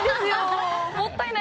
もったいない！